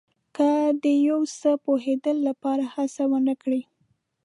که د یو څه پوهېدلو لپاره هڅه ونه کړئ.